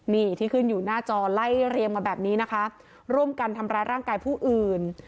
นี่ที่ขึ้นอยู่หน้าจอไล่เรียงมาแบบนี้นะคะร่วมกันทำร้ายร่างกายผู้อื่น